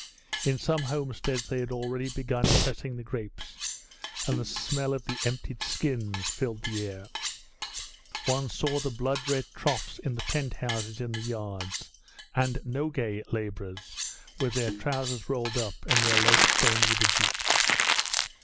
In some homesteads they had already begun pressing the grapes; and the smell of the emptied skins filled the air. One saw the blood red troughs in the pent houses in the yards and Nogay labourers with their trousers rolled up and their legs stained with the juice.